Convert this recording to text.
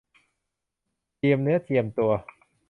เจียมเนื้อเจียมตัว